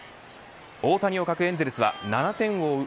大谷を欠くエンゼルスは７点を追う